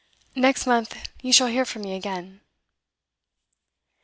Next month you shall hear from me again.